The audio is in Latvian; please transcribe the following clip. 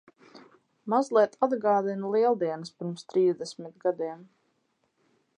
Mazliet atgādina Lieldienas pirms trīsdesmit gadiem.